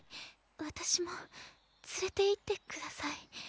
私も連れていってください